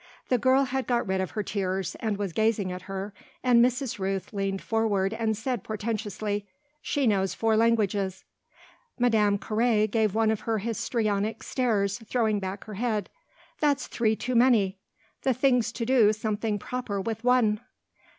The girl had got rid of her tears, and was gazing at her, and Mrs. Rooth leaned forward and said portentously: "She knows four languages." Madame Carré gave one of her histrionic stares, throwing back her head. "That's three too many. The thing's to do something proper with one."